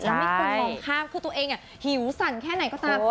แล้วมีคนมองข้ามคือตัวเองหิวสั่นแค่ไหนก็ตาม